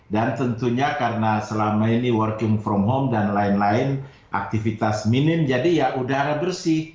dan tentunya karena selama ini working from home dan lain lain aktivitas minim jadi ya udara bersih